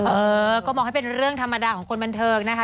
เออก็มองให้เป็นเรื่องธรรมดาของคนบันเทิงนะคะ